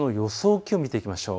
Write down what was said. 気温を見ていきましょう。